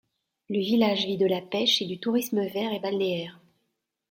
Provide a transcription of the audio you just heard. Le village vit de la pêche et du tourisme vert et balnéaire.